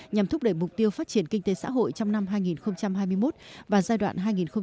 nhằm thúc đẩy mục tiêu phát triển kinh tế xã hội trong năm hai nghìn hai mươi một và giai đoạn hai nghìn hai mươi một hai nghìn ba mươi